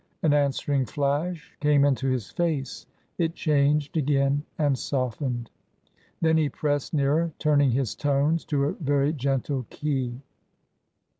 An answering flash came into his face ; it changed again and softened. Then he pressed nearer, turning his tones to a very gentle key.